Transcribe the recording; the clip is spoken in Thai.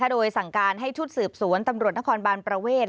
โดยสั่งการให้ชุดสืบสวนตำรวจนครบานประเวท